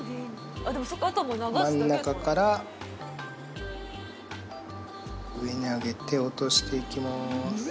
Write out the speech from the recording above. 真ん中から上に上げて落としていきます